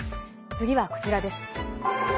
次は、こちらです。